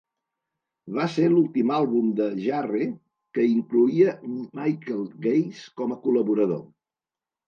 Va ser l'últim àlbum de Jarre que incloïa Michel Geiss com a col·laborador.